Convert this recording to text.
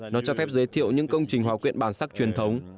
nó cho phép giới thiệu những công trình hòa quyện bản sắc truyền thống